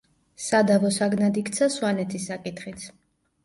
სადავო საგნად იქცა სვანეთის საკითხიც.